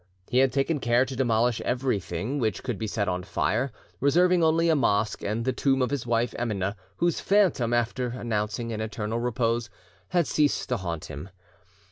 He had taken care to demolish everything which could be set on fire, reserving only a mosque and the tomb of his wife Emineh, whose phantom, after announcing an eternal repose, had ceased to haunt him.